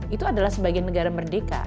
itu adalah sebagai negara merdeka